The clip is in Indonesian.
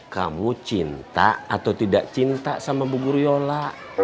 kamu cinta atau tidak cinta sama bu guru yola